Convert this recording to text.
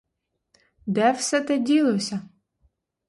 Де все те ділося?